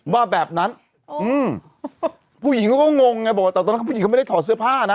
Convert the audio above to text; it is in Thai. ว่าแบบนั้นอืมผู้หญิงเขาก็งงไงบอกว่าแต่ตอนนั้นผู้หญิงเขาไม่ได้ถอดเสื้อผ้านะ